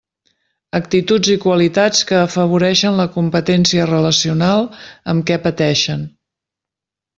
Actituds i qualitats que afavoreixen la competència relacional amb què pateixen.